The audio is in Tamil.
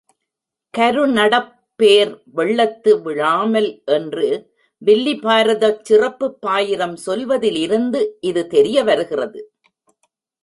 கருநடப்பேர் வெள்ளத்து விழாமல் என்று வில்லிபாரதச் சிறப்புப் பாயிரம் சொல்வதிலிருந்து இது தெரிய வருகிறது.